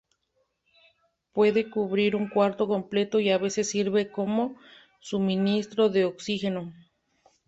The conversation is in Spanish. Puede cubrir un cuarto completo y a veces sirve como suministro de oxígeno.